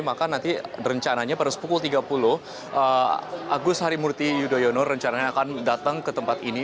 maka nanti rencananya pada pukul tiga puluh agus harimurti yudhoyono rencananya akan datang ke tempat ini